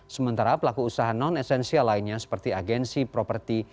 sementara pelaku usaha non esensial lainnya seperti agensi properti